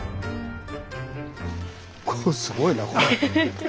これすごいなこれ。